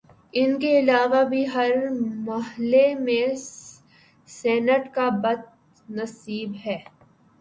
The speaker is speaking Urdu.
ان کے علاوہ بھی ہر محلے میں سینٹ کا بت نصب ہے